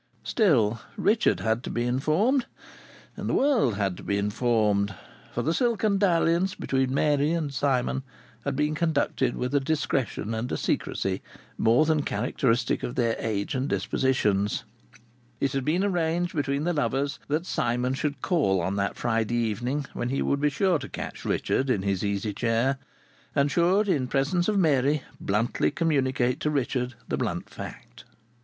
Still, Richard had to be informed, and the world had to be informed, for the silken dalliance between Mary and Simon had been conducted with a discretion and a secrecy more than characteristic of their age and dispositions. It had been arranged between the lovers that Simon should call on that Friday evening, when he would be sure to catch Richard in his easy chair, and should, in presence of Mary, bluntly communicate to Richard the blunt fact.